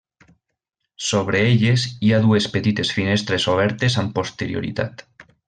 Sobre elles hi ha dues petites finestres obertes amb posterioritat.